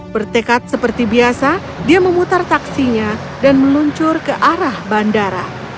bertekad seperti biasa dia memutar taksinya dan meluncur ke arah bandara